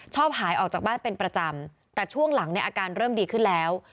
หายออกจากบ้านเป็นประจำแต่ช่วงหลังเนี่ยอาการเริ่มดีขึ้นแล้ว